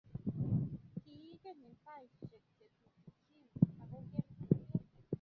Kiikeny eng saishike tutikin akoker kurget